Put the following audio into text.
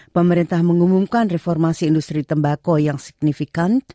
pemerintah mengumumkan reformasi industri tembakau yang signifikan